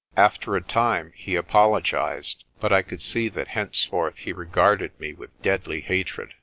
After a time he apologised, but I could see that henceforth he regarded me with deadly hatred.